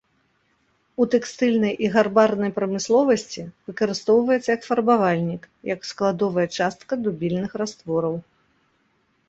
У тэкстыльнай і гарбарнай прамысловасці выкарыстоўваецца як фарбавальнік і як складовая частка дубільных раствораў.